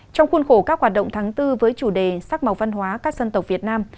trong khuôn khổ các hoạt động tháng bốn với chủ đề sắc màu văn hóa các dân tộc việt nam